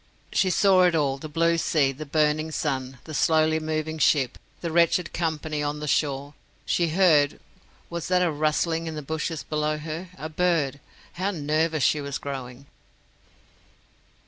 She saw it all the blue sea, the burning sun, the slowly moving ship, the wretched company on the shore; she heard Was that a rustling in the bushes below her? A bird! How nervous she was growing!